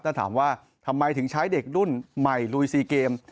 ถ้าถามว่าทำไมถึงใช้เด็กรุ่นใหม่ลุย๔เกม